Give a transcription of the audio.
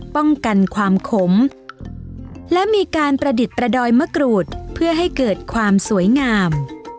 ป้องกันความขมและมีการประดิษฐ์ประดอยมะกรูดเพื่อให้เกิดความสวยงาม